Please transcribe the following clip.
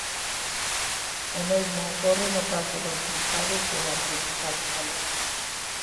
O mesmo ocorre no caso dos bispados e arcebispados galegos.